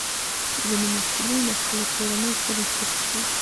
ځینې محصلین د خپلې کورنۍ تمې پوره کوي.